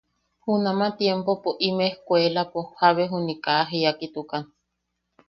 Junama tiempopo im ejkkuelapo jabe juni kaa jiakitukan.